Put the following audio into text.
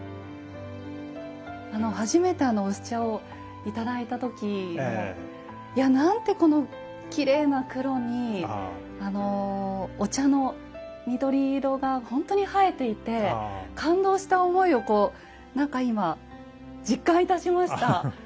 あの初めて薄茶を頂いた時いやなんてこのきれいな黒にあのお茶の緑色がほんとに映えていて感動した思いをこう何か今実感いたしました。